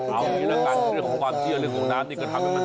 เอาอย่างงี้ละกันเรื่องของความเสี้ยในจุดน้ำนี่ก็ทำให้มันสะอาด